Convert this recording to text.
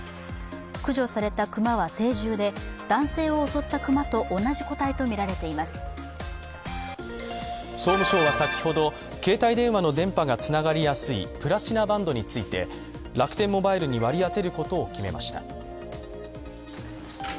駆除された熊は成獣で、男性を襲った熊と総務省は先ほど、携帯電話の電波がつながりやすいプラチナバンドについて楽天モバイルに割り当てることを決めました。